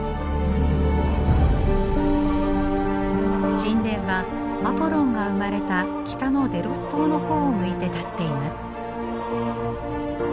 神殿はアポロンが生まれた北のデロス島の方を向いて建っています。